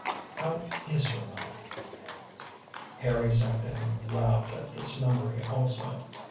" How is your mother ?" Harry sat down and laughed at this memory also.